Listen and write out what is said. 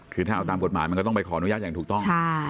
คือถ้าเอาตามกฎหมายมันก็ต้องไปขออนุญาตอย่างถูกต้อง